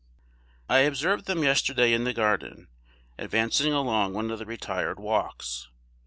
I observed them yesterday in the garden, advancing along one of the retired walks.